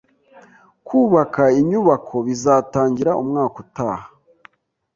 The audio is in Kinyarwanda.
Kubaka inyubako bizatangira umwaka utaha